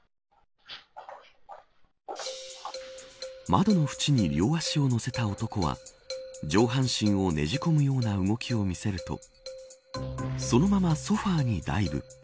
窓のふちに両足を乗せた男は上半身をねじ込むような動きを見せるとそのままソファにダイブ。